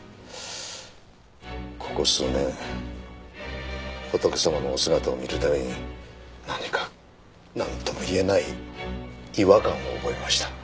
ここ数年仏様のお姿を見るたびに何かなんとも言えない違和感を覚えました。